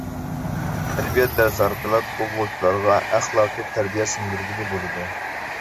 ئەدەبىيات دەرسى ئارقىلىق ئوقۇغۇچىلارغا ئەخلاقىي تەربىيە سىڭدۈرگىلى بولىدۇ.